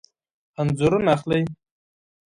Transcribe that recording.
انځورونه اخلئ؟